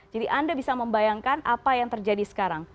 jadi anda bisa membayangkan apa yang terjadi sekarang